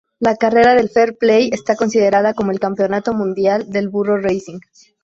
La carrera de Fairplay está considerada como el "Campeonato Mundial de Burro Racing".